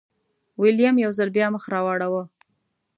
ویلیم یو ځل بیا مخ راواړوه.